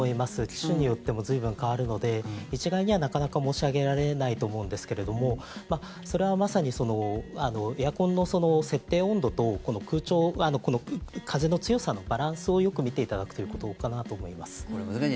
機種によっても随分変わるので一概にはなかなか申し上げられないと思うんですがそれはまさにエアコンの設定温度と空調、風の強さのバランスをよく見ていただくということかなと思います。